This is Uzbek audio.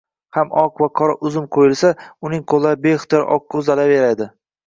ham oq va qora uzum ko'yilsa, uning ko'llari beixtiyor oqga uzalaverardi.